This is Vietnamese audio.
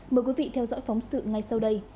mời quý vị theo dõi phóng sự ngay sau đây